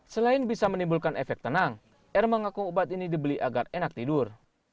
selain bisa menimbulkan efek tenang r mengaku obat ini dibeli agar enak tidur